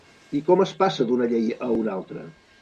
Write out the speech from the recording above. I com es passa d’una llei a una altra?